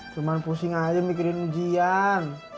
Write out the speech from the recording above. cuma pusing aja mikirin ujian